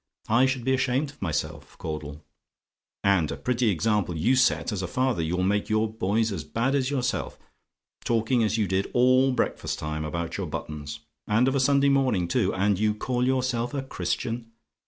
I should be ashamed of myself, Caudle. "And a pretty example you set as a father! You'll make your boys as bad as yourself. Talking as you did all breakfast time about your buttons! And of a Sunday morning, too! And you call yourself a Christian!